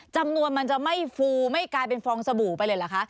จำนวนมันจะไม่ฟูไม่กลายเป็นฟองสบู่ไปเลยเหรอคะ